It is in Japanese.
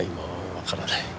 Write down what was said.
分からない。